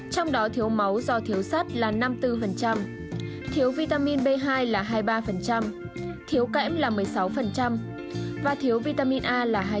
trong đó thiếu máu do thiếu sắt là năm mươi bốn thiếu vitamin b hai là hai mươi ba thiếu kẽm là một mươi sáu và thiếu vitamin a là hai mươi